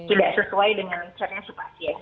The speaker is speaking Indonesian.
tidak sesuai dengan caranya sepasien